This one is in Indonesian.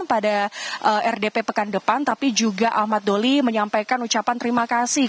pada rdp pekan depan tapi juga ahmad doli menyampaikan ucapan terima kasih